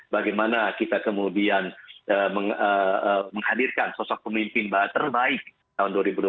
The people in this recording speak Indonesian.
bagaimana kita kemudian menghadirkan sosok pemimpin terbaik tahun dua ribu dua puluh empat